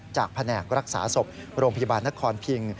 จากแผนกรักษาศพโรงพยาบาลนักคลอนพิง